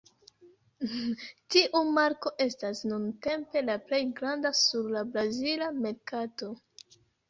Tiu marko estas nuntempe la plej granda sur la brazila merkato.